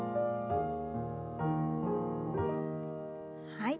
はい。